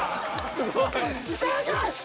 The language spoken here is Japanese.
すごい。